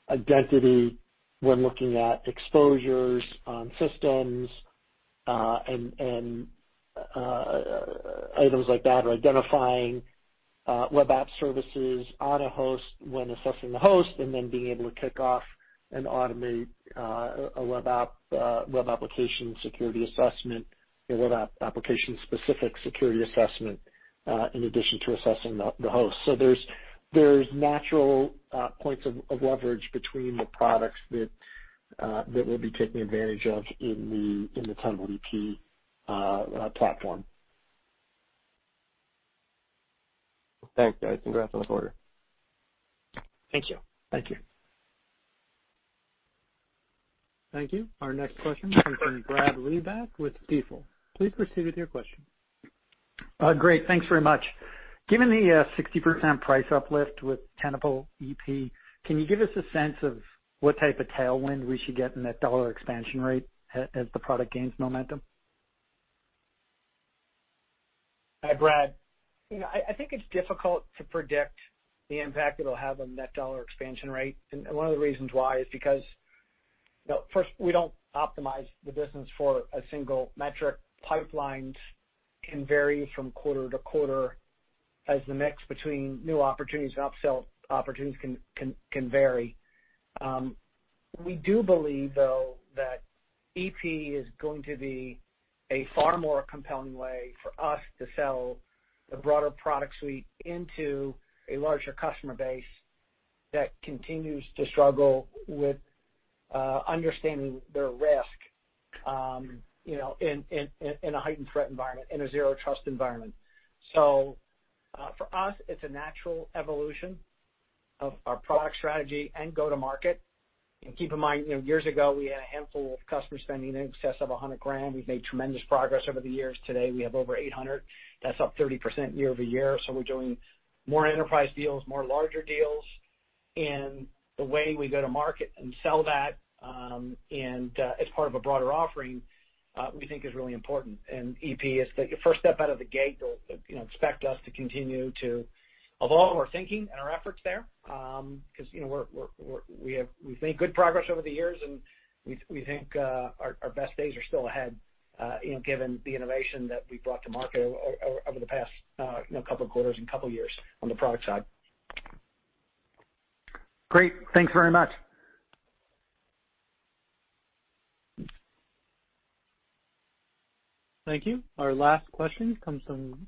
identity when looking at exposures on systems, and items like that, or identifying web app services on a host when assessing the host, and then being able to kick off and automate a web application security assessment, a web application-specific security assessment, in addition to assessing the host. There's natural points of leverage between the products that we'll be taking advantage of in the Tenable.ep platform. Thanks, guys. Congrats on the quarter. Thank you. Thank you. Thank you. Our next question comes from Brad Reback with Stifel. Please proceed with your question. Great. Thanks very much. Given the 60% price uplift with Tenable.ep, can you give us a sense of what type of tailwind we should get in that dollar expansion rate as the product gains momentum? Hi, Brad. I think it's difficult to predict the impact it'll have on that dollar expansion rate. One of the reasons why is because, first, we don't optimize the business for a single metric. Pipelines can vary from quarter to quarter as the mix between new opportunities and upsell opportunities can vary. We do believe, though, that EP is going to be a far more compelling way for us to sell the broader product suite into a larger customer base that continues to struggle with understanding their risk in a heightened threat environment, in a zero trust environment. For us, it's a natural evolution of our product strategy and go to market. Keep in mind, years ago we had a handful of customers spending in excess of $100,000. We've made tremendous progress over the years. Today we have over 800. That's up 30% year-over-year. We're doing more enterprise deals, more larger deals, and the way we go to market and sell that and as part of a broader offering, we think is really important. EP is the first step out of the gate. Expect us to continue to evolve our thinking and our efforts there, because we've made good progress over the years, and we think our best days are still ahead given the innovation that we've brought to market over the past couple of quarters and couple years on the product side. Great. Thanks very much. Thank you. Our last question comes from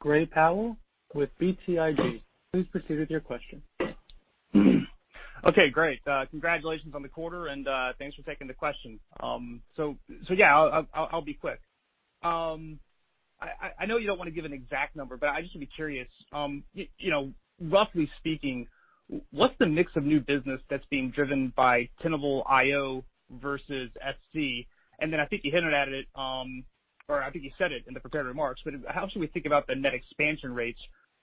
Gray Powell with BTIG. Please proceed with your question. Okay, great. Congratulations on the quarter. Thanks for taking the question. Yeah, I'll be quick. I know you don't want to give an exact number. I just would be curious, roughly speaking, what's the mix of new business that's being driven by Tenable.io versus SC? I think you hinted at it, or I think you said it in the prepared remarks. How should we think about the net expansion rates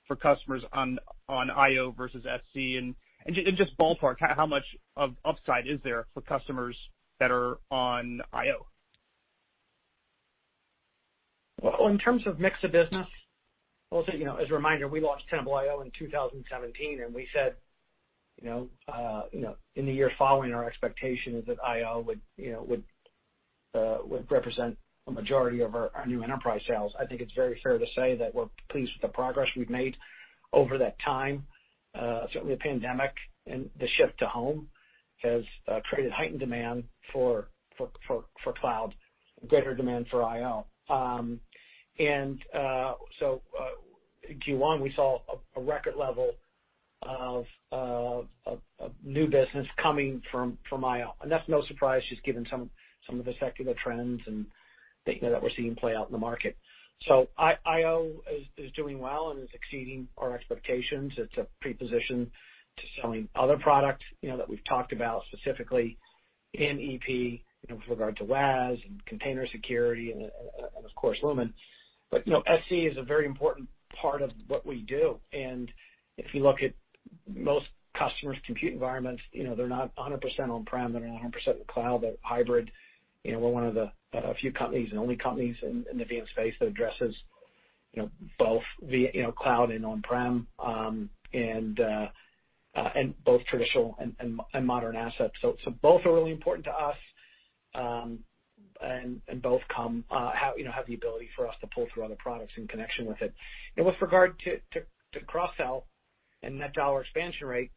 for customers on Tenable.io versus SC? Just ballpark, how much of upside is there for customers that are on Tenable.io? Well, in terms of mix of business, I'll say, as a reminder, we launched Tenable.io in 2017. We said in the years following, our expectation is that IO would represent a majority of our new enterprise sales. I think it's very fair to say that we're pleased with the progress we've made over that time. Certainly the pandemic and the shift to home has created heightened demand for cloud, greater demand for IO. In Q1 we saw a record level of new business coming from IO. That's no surprise, just given some of the secular trends and data that we're seeing play out in the market. IO is doing well and is exceeding our expectations. It's a pre-position to selling other products that we've talked about specifically in EP with regard to WAS and Container Security and of course, Lumin. SC is a very important part of what we do. If you look at most customers' compute environments they're not 100% on-premise, they're not 100% cloud, they're hybrid. We're one of the few companies and only companies in the VM space that addresses both cloud and on-premise, and both traditional and modern assets. Both are really important to us, and both have the ability for us to pull through other products in connection with it. With regard to cross-sell and net dollar renewal rate,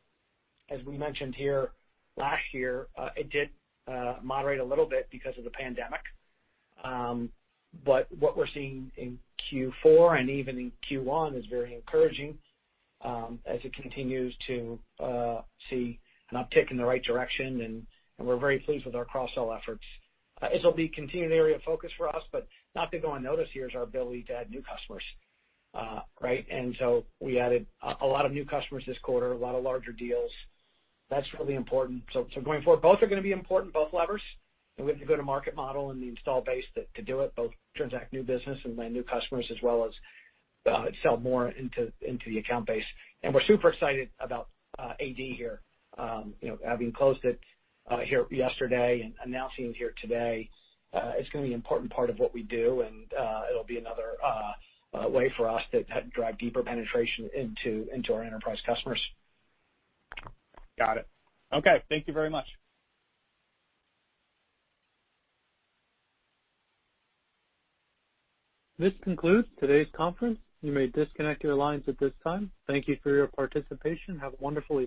as we mentioned here last year, it did moderate a little bit because of the pandemic. What we're seeing in Q4 and even in Q1 is very encouraging, as it continues to see an uptick in the right direction. We're very pleased with our cross-sell efforts. This will be a continuing area of focus for us, but not to go unnoticed here is our ability to add new customers. We added a lot of new customers this quarter, a lot of larger deals. That's really important. Going forward, both are going to be important, both levers. We have the go-to-market model and the install base to do it, both transact new business and land new customers as well as sell more into the account base. We're super excited about AD here. Having closed it here yesterday and announcing it here today, it's going to be an important part of what we do, and it'll be another way for us to drive deeper penetration into our enterprise customers. Got it. Okay. Thank you very much. This concludes today's conference. You may disconnect your lines at this time. Thank you for your participation. Have a wonderful evening.